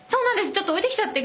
ちょっと置いてきちゃって。